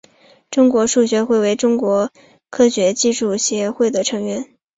中国数学会为中国科学技术协会的成员。